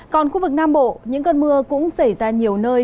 còn khu vực nam bộ những cơn mưa cũng xảy ra nhiều nơi